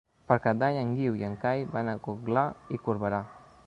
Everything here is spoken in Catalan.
Per Cap d'Any en Guiu i en Cai van a Rotglà i Corberà.